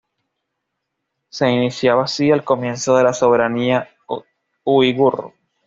Se iniciaba así el comienzo de la soberanía uigur.